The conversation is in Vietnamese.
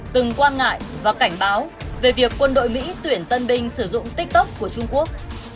từng quan ngại và cảnh báo về việc quân đội mỹ tuyển tân binh sử dụng tiktok của trung quốc